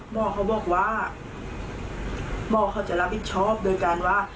หมอเขาบอกว่าหมอเขาจะรับผิดชอบโดยการว่า